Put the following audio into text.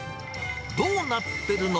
どうなってるの？